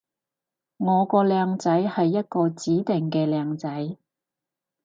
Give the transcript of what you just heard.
我個靚仔係一個指定嘅靚仔